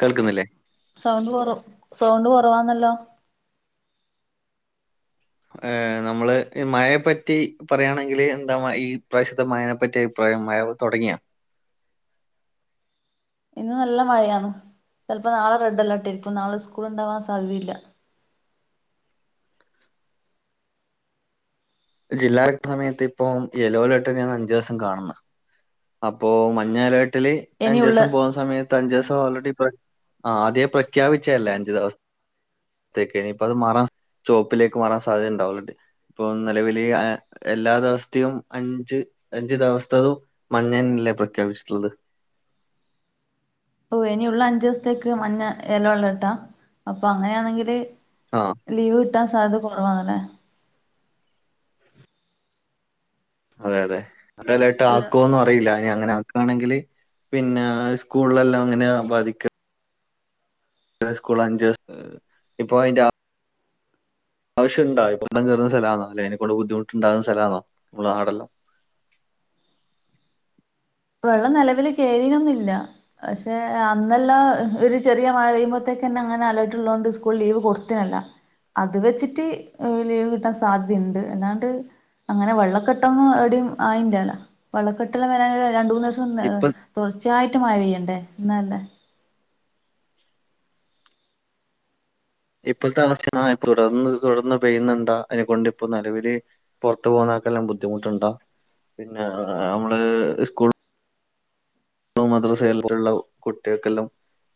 കേൾക്ക്ന്നില്ലേ സൗണ്ട് കൊറവ് സൗണ്ട് കൊറവാന്നല്ലോ ഏഹ് നമ്മള് ഈ മയെപ്പറ്റി പറയാണെങ്കില് എന്താ മ ഈ പ്രാശ്ത്തെ മയെപ്പറ്റി അഭി പ്രയം മായ തൊടങ്ങിയോ ഇന്ന് നല്ല മഴയാണ് ചെലപ്പോ നാളെ റെഡ് അലേർട്ടെരിക്കും നാള സ്കൂള് ഒണ്ടാവാം സാധ്യതയില്ല ജില്ലാ കലക്ടർ സമയത്ത് ഇപ്പം യെല്ലോ അലർട്ട് തന്നെന്ന അഞ്ച് ദോസം കാണ്ന്നെ അപ്പോ മഞ്ഞലർട്ടില് ഇനിയുള്ള അഞ്ച്സം പോവാ സമയത്ത് അഞ്ചോസം ഓൾറെഡി പ്ര ആദ്യെ പ്രഖ്യാപിച്ചല്ലേ അഞ്ച് ദോസ ത്തെക്കെ ഇനിപ്പത് മാറാം ചൊപ്പിലേക്ക് മാറാം സാധ്യത ഒണ്ട് ഓൾറെഡി നെലവിലെ അഹ് എല്ലാ ദെവസ്ത്തെയും അഞ്ച് അഞ്ച് ദെവസ്തതും മഞ്ഞൻല്ലേ പ്രഖ്യാപിച്ചിട്ട്ള്ളത് ഓഹ് ഇനിഒള്ള അഞ്ചോസ്ത്തേക്ക് മഞ്ഞ യെല്ലോ അലർട്ടാ അപ്പൊ അങ്ങനെയാന്നെങ്കില് ആഹ് ലീവ് കിട്ടാം സാധ്യത കൊറവാണ് അതെ അതെ റെഡ അലർട്ട് അല്ല ആക്കുവോന്ന് അറിയില്ല ഇനി അങ്ങന ആക്കാണെങ്കില് പിന്നെ സ്കൂളല്ലാം അങ്ങനെ ബാധിക് [unintelligible] സ്കൂള അഞ്ചോസ് അ ഇപ്പൊ അയ്‌ന്റ ആവശ്യുണ്ടാ വെള്ളം കയറ്ന്ന സ്ഥലാന്നല്ലെ അയ്നെക്കെ ബുദ്ദിമുട്ട്ണ്ടാവുന്ന സ്ഥലാന്നോ നമ്മള നാടെല്ലാം വെള്ളം നിലവില് കേറീനൊന്നുല്ല പക്ഷെ അന്നല്ല ഒരു ചെറിയ മഴ പെയ്യുമ്പോത്തേക്കന്നെ അങ്ങനെ അലർട്ട്ള്ളതൊണ്ട് സ്കൂൾ ലീവ് കൊടുത്തിനല്ല അത് വെച്ചിട്ട് എഹ് ലീവ് കിട്ടാൻ സാധ്യുണ്ട് എല്ലാണ്ട് അങ്ങനെ വെള്ളക്കെട്ടൊന്നും എവിഡിം ആയിറ്റാല്ല വെള്ളക്കെട്ട് മേലെ രണ്ട് മൂന്ന് സം ഇപ്പൊ തുടർച്ചയായിട്ട് മഴ പെയ്യണ്ടേ എന്നല്ലല്ലേ ഇപ്പത്തെ അവസ്ഥെന്നാ തുടർന്ന് തുടർന്ന് പെയ്യുന്നുണ്ട അതിനെകൊണ്ട് ഇപ്പോ നലവില് പുറത്ത് പോകുന്നക്കെല്ലാം ബുദ്ധിമുട്ടുണ്ട പിന്നെ നമ്മള് സ്കൂൾ മദ്രസൽള്ള കുട്ടികൾക്കെല്ലാം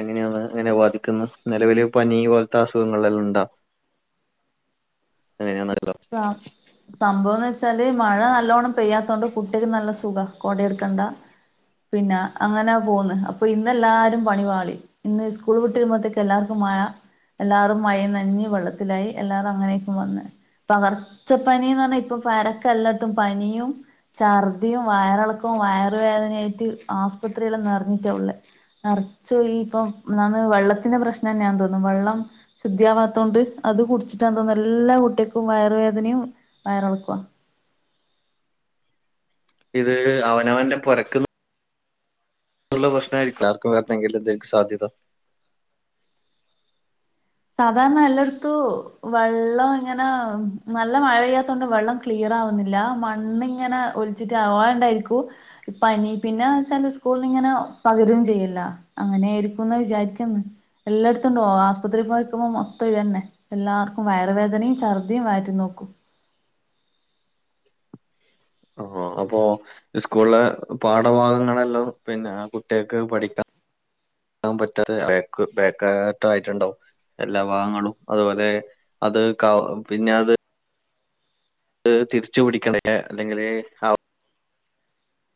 എങ്ങനെയാണ് അങ്ങനെ ബാധിക്കുന്നത് നിലവില് പനി പോലത്തെ അസുഖങ്ങളെല്ലാം ഉണ്ടാ അങ്ങനെ നടക്കുക ആഹ് സംഭവംന്ന് വെച്ചാല് മഴ നലോണ്ണം പെയ്യാതോണ്ട് കുട്ട്യാക്ക് നല്ല സുഖ കൊടിം ഇട്ക്കണ്ട പിന്നെ അങ്ങനാ പോവുന്ന് അപ്പൊ ഇന്നെല്ലാരും പണിപാളി ഇന്ന് സ്കൂള് വിട്ട് വരുമ്പോത്ത്ക്ക് എല്ലാർക്കും മഴ എല്ലാറും മഴ ന്നഞ്ഞ് വെള്ളത്തിലായി എല്ലാറും അങ്ങനെയക്കും വന്ന് പകർച്ചപ്പനിയന്ന് ഞ്ഞാ ഇപ്പൊ പരക്കെ എല്ലത്തും പനിയും ഛർദിയും വയറളക്കും വയറുവേദനയായിട്ട് ആസ്പത്രിയില് നിറഞ്ഞിട്ട ഉള്ള മറ്ച്ചു ഇപ്പംന്ന് വെള്ളത്തിന്റെ പ്രശ്നം തന്നെന്ന് തോന്നുന്നു വെള്ളം ശുദ്ധിയവാതോണ്ട് അത് കുടിച്ചിട്ടാ തോന്നുന്നു എല്ലാ കുട്ടിക്കും വയറുവേദനിം വയറളകുവ ഇത് അവനവന്റെ പോരക്ക് ഉള്ള പ്രശ്നമായിരിക്ക ആക്കും വരണമെങ്കിലും സാധ്യത സാധാരണ എല്ലാട്ത്തും വെള്ളം ഇങ്ങനെ നല്ല മഴ പെയ്യാത്തോണ്ട് വെള്ളം ക്ലിയർ ആവുന്നില്ല മണ്ണിങ്ങനെ ഒലിച്ചിട്ട് ആവോണ്ടായിരിക്കു പ്പനി പിന്നെ വെച്ചാ സ്കൂളില് ഇങ്ങനെ പകരും ചെയ്യല്ല അങ്ങനെ ആയിരിക്കുന്ന് വിചാരിക്ക്ന്ന് എല്ലായിടത്തുണ്ടോ ആസുപത്രിയിൽ പോ ക്കുമ്പോ മൊത്തം ഇതന്നെ എല്ലാർക്കും വയറ് വേദനിം ഛർതിം വയറ്റു നോക്കും ആഹ് അപ്പോ സ്കൂളില് പാഠഭാഗങ്ങളെല്ലാം പിന്നെ കുട്ടികൾക്ക് പഠിക്കാ ൻ പറ്റാതെ ബക്ക് ബേക്കാറ്റ ആയിട്ടുണ്ടാവു എല്ലാ ഭാഗങ്ങളും അതുപോലെ അത് ക പിന്നെ അത് തിരിച്ചു പിടിക്കണക്കെ അല്ലെങ്കില്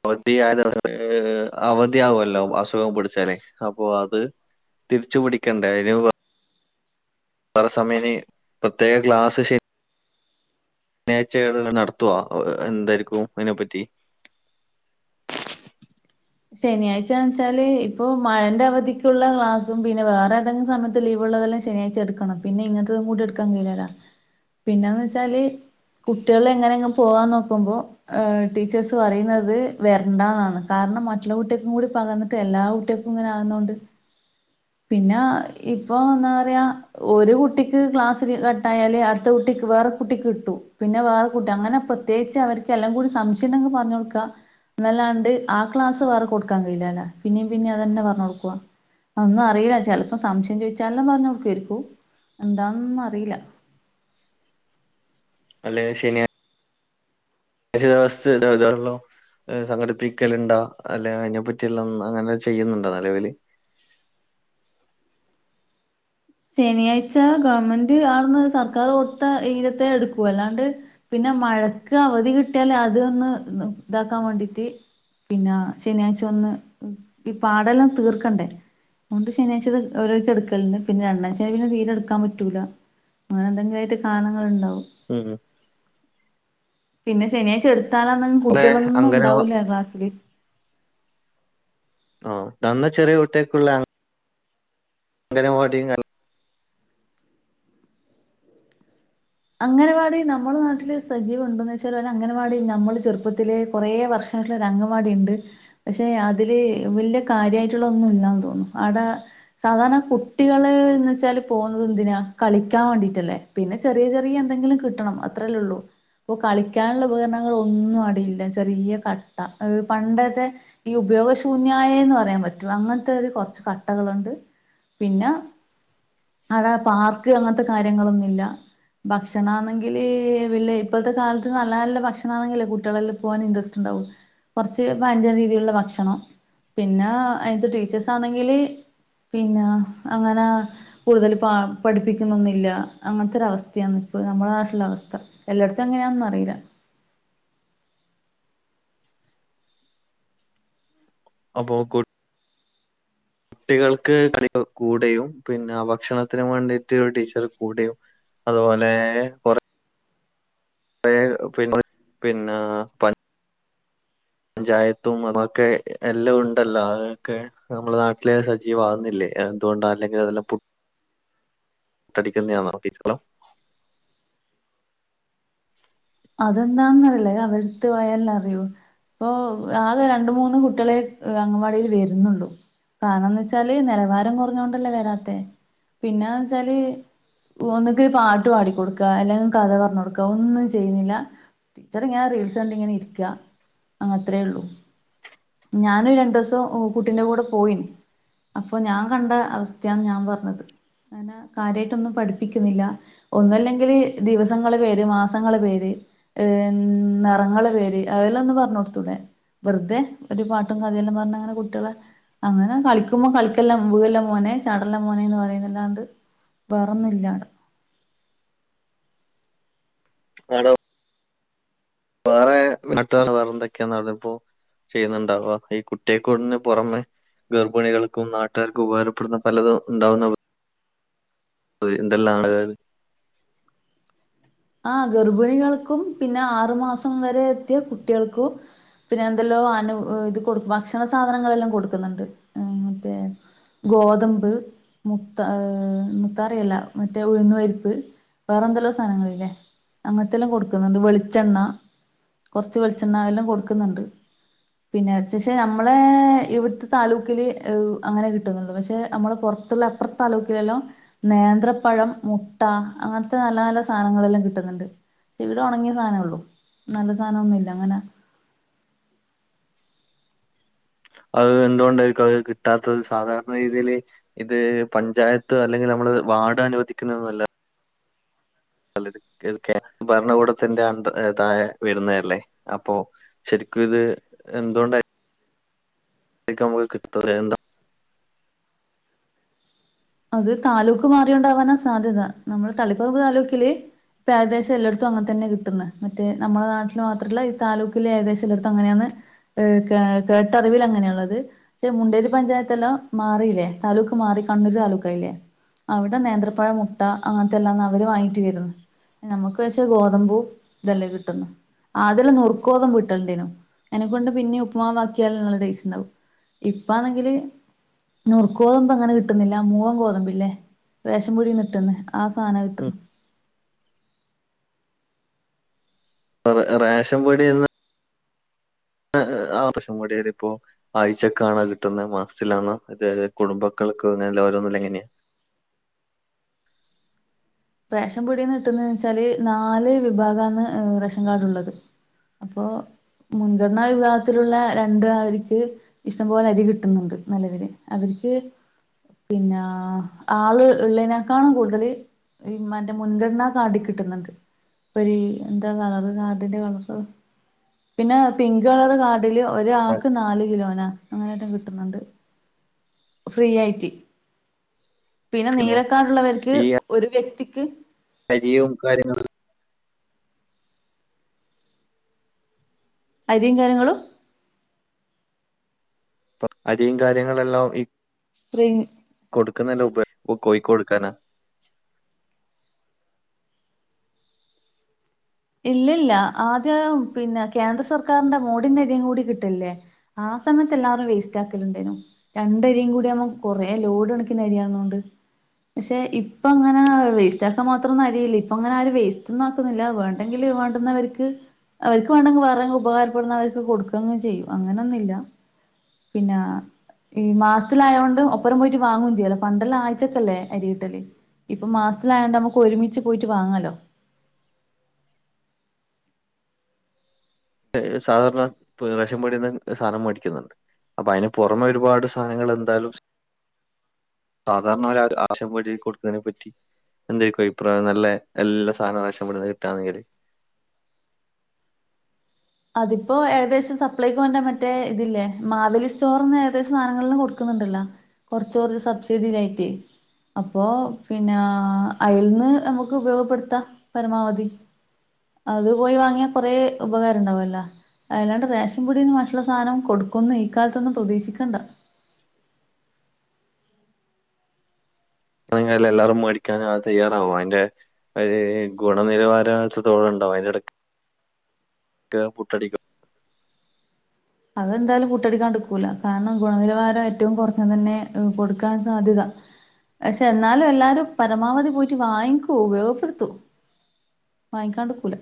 [unintelligible] അവധിയവുല്ലോ അസുഖം പിടിച്ചാല് അപ്പൊ അത് തിരിച്ചു പിടിക്കണ്ടേ അയിന് വേറെ സമയനി പ്രത്യക ക്ലാസ്സ് ശ നേച്ചകൾ നടത്തുവ എന്തായിരിക്കും അയിനെപ്പറ്റി ശനിയാഴ്ചന്ന് വെച്ചാല് ഇപ്പൊ മഴന്റെ അവധിക്കുള്ള ക്ലാസ്സും പിന്നെ വേറെ ഏതെങ്കും സമയത്ത് ലീവ് ഉള്ളതെല്ലാം ശനിയാഴ്ച എട്ക്കണം പിന്നെ ഇങ്ങക്ക് കൂടി ഇട്ക്കാൻ കയിലലോ പിന്നെന്ന് വെച്ചാല് കുട്ട്യാള് എങ്ങനെങ്ങ് പോവാൻ നോക്കുമ്പോ ടീച്ചേഴസ് പറയുന്നത് വരണ്ടന്നാണ് കാരണം ച്ചില കുട്ട്യാക്കു കൂടി പകർന്ന്ട്ട് എല്ലാ കുട്ട്യാക്കും ഇങ്ങനെ ആവുനോണ്ട് പിന്ന ഇപ്പൊ എന്ന റയാ ഒരു കുട്ടിക്ക് ക്ലാസ് കട്ടായാല് അടുത്ത കുട്ടിക്ക് വേറെ കുട്ടിക്ക് കിട്ടും പിന്നെ വേറെ കുട്ടി അങ്ങനെ പ്രത്യേകിച്ച് അവർക്ക് എല്ലാം കൂടി സംശയം ഉണ്ടെങ്കി പറഞ്ഞോട്ക്കാ എന്നല്ലാണ്ട് ആഹ് ക്ലാസ്സ്‌ വേറെ കൊടുക്കാൻ കഴിയുല്ലല്ലേ പിന്നേ പിനിം അതന്നെ പറഞ്ഞോട്കൊ ഒന്നും അറിയില്ല ചിലപ്പോ സംശയം ചോദിച്ചാെല്ലാം പറഞ് കൊടുക്കരിക്കു എന്താന്നും അറില്ല അല്ലെ ശനിയ [unintelligible] സംഘടിപ്പിക്കലുണ്ട അല്ലെ അതിനെപ്പറ്റിയല്ല അങ്ങനെ ചെയ്യുന്നുണ്ടോ നെലവില് ശനിയാഴ്ച ഗവൺമെന്റ് അവിടുന്ന് സർക്കാർ കൊടുത്ത ഇരത്തെ എടുക്കൂ അല്ലാണ്ട് പിന്നെ മഴക്ക് അവധി കിട്ടിയാൽ അതൊന്ന് ഇതാക്കാൻ വേണ്ടിട്ട് പിന്നെ ശനിയാഴ്ച വന്ന് ഈ പാടെല്ലാം തീർക്കണ്ടേ അുകൊണ്ട് ശനിയാഴ്ച അത്ഓരോർക്ക് എടുക്കലുണ്ട് പിന്നെ രണ്ടാം ശനി പിന്നെ തീരെടുക്കാൻ പറ്റൂല അങ്ങനെ എന്തെങ്കിലും ആയിട്ട് കാനണങ്ങൾണ്ടാവും ഉം ഉം പിന്നെ ശനിയാഴ്ച എടുത്താലന്ന കുട്ടികളൊന്നും അംഗന ഉണ്ടാവില്ല ക്ലാസ്സില് ഓഹ് നന്ന ചെറിയ കുട്ടേക്കുള്ള അങ്ങനവാടി അങ്ങനവാടി നമ്മുടെ നാട്ടില് സജീവംണ്ടന്ന് വെച്ചാൽ അങ്ങനവാടി നമ്മൾ ചെറുപ്പത്തിലെ കുറെ വർഷം [unintelligible] അങ്ങവാടി ഉണ്ട് പക്ഷെ അതില് വല്യ കാര്യമായിട്ടുള്ള ഒന്നുംല്ലാന്ന് തോന്നുന്നു ആട സാധാരണ കുട്ടികള് എന്ന് വെച്ചാല് പോകുന്നത് എന്തിനാ കളിക്കാൻ വേണ്ടീട്ടല്ലേ പിന്നെ ചെറിയ ചെറിയ ചെറിയ എന്തെങ്കിലും കിട്ടണം അത്രേല്ലേ ഉള്ളൂ ഇപ്പൊ കളിക്കാനുള്ള ഉപകരണങ്ങൾ ഒന്നും അടിയില്ല ചെറിയ കട്ട പണ്ടത്തെ ഈ ഉപയോഗശൂന്യായന്ന് പറയാൻ പറ്റൂ അങ്ങനത്തെ ഒരു കുറച്ച് കട്ടകളുണ്ട് പിന്നെ അടെ പാർക്ക് അങ്ങനത്തെ കാര്യങ്ങളൊന്നുല്ല ഭക്ഷണ ആണെങ്കില് വല്ല ഇപ്പോഴത്തെ കാലത്ത് നല്ല നല്ല ഭക്ഷണ ആണെങ്കല്ലേ കുട്ടികളെല്ലാം പോകവാൻ ഇൻറസ്റ്റ് ഉണ്ടാവും കുറച്ച് പയഞ്ചൻ രീതിയിലുള്ള ഭക്ഷണം പിന്നെ അയിത്തെ ടീച്ചേഴ്സ് ആണെങ്കില് പിന്നെ അങ്ങനെ കൂടുതൽ പ പഠിപ്പിക്കുന്നൊന്നില്ല അങ്ങനത്തെ ഒരവസ്ഥ [unintelligible] ഇപ്പോൾ നമ്മുടെ നാട്ടില അവസ്ഥ എല്ലായിടത്തും എങ്ങനെയാണന്ന അറിയില്ല [unintelligible] കുട്ടികൾക്ക് [unintelligible] കൂടെയും പിന്നെ ഭക്ഷണത്തിന് വേണ്ടിയിട്ട് ഒരു ടീച്ചർ കൂടെയും അതുപോലെ കൊറ [unintelligible] പഞ്ചായത്തും ഒക്കെ എല്ലാം ഉണ്ടല്ലോ അതൊക്കെ നമ്മളുടെ നാട്ടില് സജീവകുന്നില്ലേ എന്തുകൊണ്ട അല്ലെങ്കിൽ അതെല്ലാം [unintelligible] അതെന്താന്നറില്ലേ അവരുടെടുത്ത് പോയല്ല അറിയു ഇപ്പൊ ആകെ രണ്ട് മൂന്ന് കുട്ടികളെ അങ്കൻവാടിയിൽ വരുന്നുള്ളൂ കാരണംന്ന് വെച്ചാല് നിലവാരം കുറഞ്ഞോണ്ടല്ലേ വരാത്ത പിന്നെന്ന് വച്ചാല് ഒന്നക്ക് പാട്ട് പാടി കൊടുക്കുക അല്ലെങ്കിൽ കഥ പറഞ്ഞു കൊടുക്കുക ഒന്ന് ചെയ്യുന്നില്ല ടീച്ചർ ഇങ്ങനെ റീൽസ് കണ്ടങ്ങനെ ഇരിക്ക അത്രേ ഉള്ളൂ ഞാന് രണ്ടുവസം കുട്ടിന്റെ കൂടെ പോയിന് അപ്പൊ ഞാൻ കണ്ട അവസ്ഥയാണ് ഞാൻ പറഞ്ഞത് അങ്ങനെ കാര്യമായിട്ട് ഒന്നും പഠിപ്പിക്കുന്നില്ല ഒന്നല്ലെങ്കില് ദിവസങ്ങളെ പേര് മാസങ്ങ മാസങ്ങളെ പേര് നിറങ്ങളെ പേര് അതെല്ലാം ഒന്ന് പറഞ്ഞു കൊടുത്തൂടെ വെറുതെ ഒരു പാട്ടും കഥല്ലാം പറഞ്ഞ് അങ്ങനെ കുട്ടികളെ അങ്ങനെ കളിക്കുമ്പോ കളിക്കെല്ലാ വീഴല്ലാ മോനെ ചടെല്ലാം മോനെന്ന് പറയുന്നല്ലാണ്ട് വേറന്നില്ലാണ്ട് ആണോ വേറെ നാട്ടാണ് വേറെ എന്തൊക്കെയാ നട ത് ഇപ്പോ ചെയ്യുന്നുണ്ടാവ ഈ കുട്ടിയെക്കൂടിന് പുറമെ ഗർഭിണികൾക്കും നാട്ടുകാർക്കും ഉപകാരപ്പെടുന്ന പലതും ഉണ്ടാവുന്ന അഹ് എന്തെല്ലാണ് ആഹ് ഗർഭിണികൾക്കും പിന്നെ ആറു മാസം വരെ എത്തിയ കുട്ടികൾക്കും പിന്നെ എന്തെല്ലോ ആനു ഇത് കൊ ഭക്ഷണ സാധനങ്ങളെല്ലാം കൊടുക്കുന്നുണ്ട് ഉം അതേ ഗോതമ്പ് മുത്ത മുത്താറിയല്ല മറ്റേ ഉഴന്ന് പരിപ്പ് വേറെ എന്തെല്ലോ സാധനങ്ങളില്ലേ അങ്ങനത്തെല്ലാം കൊടുക്കുന്നുണ്ട് വെളിച്ചെണ്ണ കുറച്ച് വെളിച്ചെണ്ണെ ആയാലും കൊടുക്കുന്നുണ്ട് പിന്നെ [unintelligible] നമ്മളെ ഇവിടുത്തെ താലൂക്കിൽ അങ്ങനെ കിട്ടുന്നുള്ളൂ പക്ഷേ നമ്മൾ പുറ ത്തുള്ളപ്പുറത്തെ താലൂക്കിലെല്ലാം നേന്ത്രപ്പഴം മുട്ട അങ്ങനത്തെ നല്ല നല്ല സാധനങ്ങളെല്ലാം കിട്ട കിട്ടുന്നുണ്ട് ഇവിടെ ഉണങ്ങിയ സാധനേള്ളൂ നല്ല സാധനം ഒന്നുല്ല അങ്ങനെ അത് എന്തുകൊണ്ടായിരിക്കും അത് കിട്ടാത്തത് സാധാരണ രീതിയില് ഇത് പഞ്ചായത്ത് അല്ലെങ്കിൽ നമ്മള് വാർഡ് അനുവദിക്കുന്നതല്ല [unintelligible] ഭരണകൂടത്തിന്റെ അ താഴെ വരുന്നതല്ലേ അപ്പൊ ശരിക്കും ഇത് എന്തുകൊണ്ടാ- [unintelligible] അത് താലൂക്ക് മാറിയത് കൊണ്ടാകാനാ സാധ്യത നമ്മൾ തളിപ്പറമ്പ് താലൂക്കില് ഇപ്പൊ ഏകദേശം എല്ലായിടത്തും അങ്ങന തന്നെ കിട്ടുന്നത് മറ്റേ നമ്മുടെ നാട്ടിൽ മാത്രമല്ല ഈ താലൂക്കിലെ ഏകദേശം എല്ലായിടത്തും അങ്ങനെയാണ് ഏഹ് കേട്ടറിവിൽ അങ്ങനെയുള്ളത് പക്ഷെ മുണ്ടേരി പഞ്ചായത്തെല്ലാം മാറിയില്ലേ താലൂക്ക് മാറി കണ്ണൂര് താലൂക്ക് [unintelligible] അവിടെ നേന്ത്രപ്പഴം മുട്ട അങ്ങനത്തെ എല്ലാം അവര് വാങ്ങിട്ട് വരുന്നു നമ്മുക്ക് പക്ഷേ ഗോതമ്പൂ ഇതെല്ലെ കിട്ടുന്നു അതില് നുറുക്ക് ഗോതമ്പ് വിട്ടണ്ടേനോ [unintelligible] പിന്നെ ഉപ്പ്മാവാക്കിയാൽ നല്ല ടേസ്റ്റ് ഉണ്ടാവും ഇപ്പാണെങ്കില് നുറുക്ക് ഗോതമ്പ് അങ്ങനെ കിട്ടുന്നില്ല മൂവ ഗോതമ്പില്ലേ റേഷൻപൊടിന്ന് കിട്ടന്ന് ആ സാധനം കിട്ടുന്നു [unintelligible] റേഷൻ പൊടിന്ന് [unintelligible] ഇപ്പോ ആഴ്ചക്കാണോ കിട്ടുന്നത് മാസത്തിലാണോ അതത് കുടുംബക്കൾക്ക് അങ്ങനെ ഓരോന്നും എങ്ങനെയാ റേഷൻ പൊടിന്ന് കിട്ടുന്ന വെച്ചാല് നാല് വിഭാഗാന്ന് റേഷൻ കാർഡിലുള്ളത് അപ്പോ മുൻഗണനാ വിഭാഗത്തിലുള്ള രണ്ട് [unintelligible] ഇഷ്ടം പോലെ അരി കിട്ടുന്നുണ്ട് നിലവില് അവർക്ക് പിന്നെ ആള് ഉള്ളതിനേക്കാള് കൂടുതല് മറ്റെ മുൻഗണന കാർഡിൽ കിട്ടുന്നുണ്ട് ഇപ്പഴ് ഇ എന്താ കളറ് കാർഡിന്റെ കളറ് പിന്നെ പിങ്ക് കളർ കാർഡില് ഒരാൾക്ക് നാല് കിലോന അങ്ങനെയട്ടും കിട്ടുന്നുണ്ട് ഫ്രീ ആയിട്ട് പിന്നെ നീലക്കാർടുള്ളവർക്ക് ഈ ഒരു വ്യക്തിക്ക് അരിയും കാര്യങ്ങളും അരിയും കാര്യങ്ങളും ഇപ്പ അരിയും കാര്യങ്ങളെല്ലാം ഈ [unintelligible] കൊടുക്കുന്നതിന് മുൻപെ കോഴിക്ക് കൊടുക്കാനാ ഇല്ലില്ല ആദ്യം പിന്നെ കേന്ദ്ര സർക്കാരിന്റെ മോദിന്റെ അരി കൂടി കിട്ടില്ലേ ആ സമയത്ത് എല്ലാവരും വേസ്റ്റ് ആക്കലുണ്ടേനോ രണ്ടരിയും കൂടിയാവുമ്പം കുറെ ലോഡ് കണക്കിന് അരിയാവുന്നൊണ്ട് പക്ഷെ ഇപ്പ അങ്ങനെ വേസ്റ്റാക്കാൻ മാത്രം ഒന്നും അരിയില്ല ഇപ്പ അങ്ങനെ ആരും വേസ്റ്റൊന്നും ആക്കുന്നില്ല വേണ എന്തെങ്കിലും വേണ്ടുന്നവർക്ക് അവർക്ക് വേണ്ടെങ്കിൽ വേറെങ്കില ഉപകാരപ്പെടുന്ന അവർക്ക് കൊടുക്കങ്ങ് ചെയ്യും അങ്ങനെയൊന്നുമില്ല പിന്നെ ഈ മാസത്തിലായുണ്ട് ഒപ്പറം പോയിട്ട് വാങ്ങും ചെയ്യല്ല പണ്ടല്ലാം ആഴ്ചൊക്കല്ലേ അരി കീട്ടല് ഇപ്പം മാസത്തിലായണ്ട് നമുക്ക് ഒരുമിച്ച് പോയിട്ട് വാങ്ങല്ലോ ഏ സാധാരണ റഷൻ പിടിന്ന് സാധനം മേടിക്കുന്നുണ്ട് അപ്പൊ അയിന് പുറമെ ഒരുപാട് സാനങ്ങൾ എന്താലും സാധാരണ ഒര് ആര് ആശപിടി കൊടുത്തെനെ പറ്റി എന്തരിക്കും അഭിപ്രായം നല്ലേ എല്ലാ സാന റേഷൻപിടിന്ന് കിട്ടുകന്നെങ്കില് അതിപ്പോ ഏകദേശം സപ്ലൈക്കൊന്റെ മറ്റേ ഇതില്ലേ മാവലി സ്റ്റോറിന്ന് ഏകദേശം സാനങ്ങൾ എല്ലാം കൊടുക്കുന്നുണ്ടല്ലോ കുറച്ച് കുറച്ച് സബ്സിഡി ടായിറ്റ് അപ്പോ പിന്നെ അയൽന്ന് നമുക്ക് ഉപയോഗപ്പെടുത്താം പരമാവധി അത് പോയി വാങ്ങിയ കുറെ ഉപകാര ഉണ്ടാവല്ല അല്ലാണ്ട്റേഷൻപിടിന്ന് മറ്റുള്ള സാനം കൊടുക്കുന്ന് ഈ കാലത്തൊന്നും പ്രതീക്ഷിക്കണ്ട അത്‌ എങ്ങനെ എല്ലാ എല്ലാരും മേടിക്കാഞ തയ്യാറാവൊ അയിന്റെ ഒരെ ഗുണനിലവാര എത്രത്തൊളാം ഉണ്ടാവും അയിന്റെഎടാക്ക്‌ പുട്ടടിക്കും അത് എന്തായാലും പൂട്ടടിക്കാണ്ട്ക്കൂല കാരണം ഗുണനിലവാരം ഏറ്റവും കുറഞ്ഞു തന്നെ കൊടുക്കാൻ സാധ്യത പഷെ എന്നാലും എല്ലാരും പരമാവധി പോയിട്ട് വാങ്ങിക്കൂ ഉപയോഗപ്പെടുത്തും വാങ്ങിക്കാണ്ട്ക്കൂല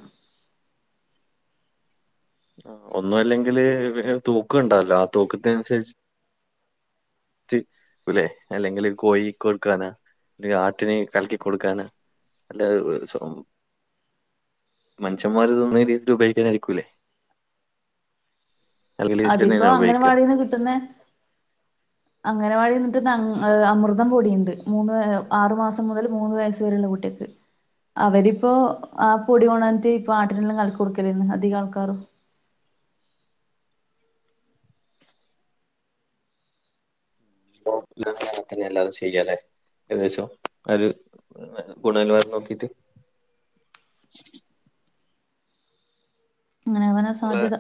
ഒന്നും അല്ലെങ്കില് വെ ഏ തൂക്കണ്ടാല്ലോ ആ തൂക്കത്തിന് അനുസരിച്ച് കുല്ലെ അല്ലെങ്കിൽ കോയി കൊടുക്കാനാ അല്ലെ ആട്ടിനെ കലക്കി കൊടുക്കാന് നല്ലേ സോ മനിഷന്മാര് തിന്നുന്നെൽ ഏറ്റും ഉപയോഗിക്കാനായിരിക്കൂല്ലേ അല്ലേലെച്ച്ട്ടന്നെ എങ്ങന ഉപയോഗിക്ക എന്ന് കിട്ടുന്നെ [inaudible] അങ്ങനവാടി കിട്ടുന്ന അമ് ആ അമൃതം പൊടിയുണ്ട് മൂന്ന് ആറു മാസം മുതൽ മൂന്ന് വയസ്സ് വരെയുള്ള കുട്ടിക്ക് അവരിപ്പൊ ആ പൊടി ഓണത്തിപ്പൊ ആട്ടിനെല്ലാം കലക്കി കൊടുക്കലെന്ന് അധികം ആൾക്കാരും ഇപ്പൊ ഇങ്ങനെ തന്നെ മിക്കലും എല്ലാരും ചെയ്യാല്ലേ ഏകദേശം ഒരു ഗുണനിലവാരം നോക്കീട്ട് അങ്ങനെ അവാനാ ഉള്ള സാധ്യത